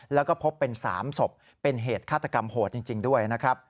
แล้วก็พบเป็น๓ศพเป็นเหตุฆาตกรรมโหดจริงด้วยนะครับ